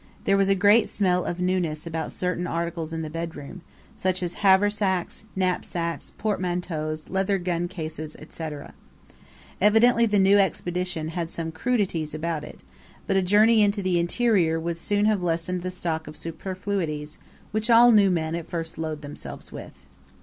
There was a great smell of newness about certain articles in the bedroom, such as haversacks, knapsacks, portmanteaus, leather gun cases, &c. Evidently the new Expedition had some crudities about it; but a journey into the interior would soon have lessened the stock of superfluities, which all new men at first load themselves with.